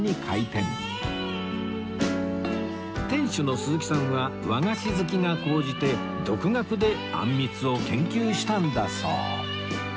店主の鈴木さんは和菓子好きが高じて独学であんみつを研究したんだそう